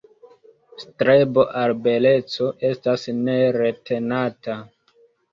Strebo al beleco estas neretenata.